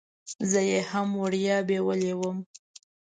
زه یې هم وړیا بیولې وم.